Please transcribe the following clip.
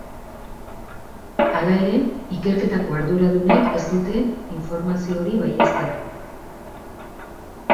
Hala ere, ikerketako arduradunek ez dute informazio hori baieztatu.